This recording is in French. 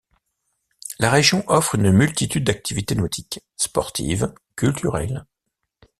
La région offre une multitude d'activités nautiques, sportives, culturelles.